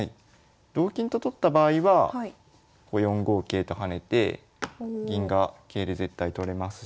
同金と取った場合は４五桂と跳ねて銀が桂で絶対取れますし。